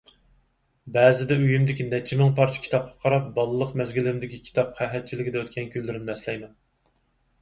بەزىدە ئۆيۈمدىكى نەچچە مىڭ پارچە كىتابقا قاراپ بالىلىق مەزگىلىمدىكى كىتاب قەھەتچىلىكىدە ئۆتكەن كۈنلىرىمنى ئەسلەيمەن.